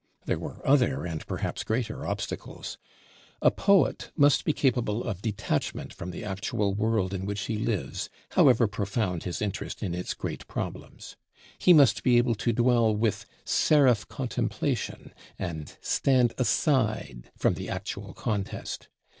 There were other and perhaps greater obstacles. A poet must be capable of detachment from the actual world in which he lives, however profound his interest in its great problems. He must be able to dwell with "seraph contemplation" and stand aside from the actual contest.